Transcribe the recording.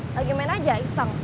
lagi main aja iseng